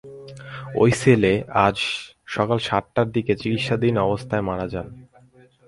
ওই সেলে আজ সকাল সাতটার দিকে চিকিৎসাধীন অবস্থায় তিনি মারা যান।